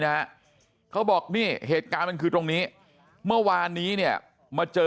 เขาบอกนี่เหตุการณ์มันคือตรงนี้เมื่อวานนี้เนี่ยมาเจอ